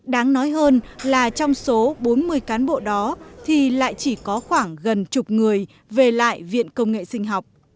đáng nói hơn là trong số bốn mươi cán bộ đó thì lại chỉ có khoảng gần chục người về lại viện công nghệ sinh học